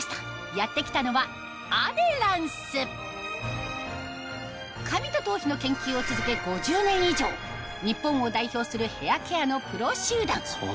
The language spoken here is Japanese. やって来たのはアデランス髪と頭皮の研究を続け５０年以上日本を代表するヘアケアのプロ集団